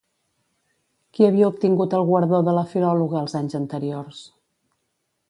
Qui havia obtingut el guardó de la filòloga els anys anteriors?